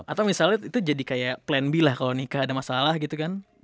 atau misalnya itu jadi kayak plan b lah kalau nikah ada masalah gitu kan